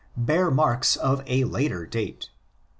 bear marks of a later date.